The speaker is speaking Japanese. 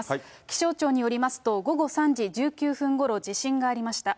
気象庁によりますと、午後３時１９分ごろ地震がありました。